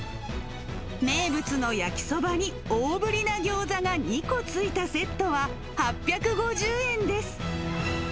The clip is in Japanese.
名物の焼きそばに、大ぶりなギョーザが２個ついたセットは、８５０円です。